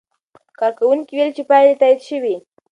کارکوونکي وویل چې پایلې تایید شوې.